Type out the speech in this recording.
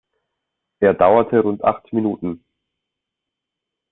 Er dauerte rund acht Minuten.